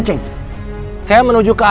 sayang dia hp pack ya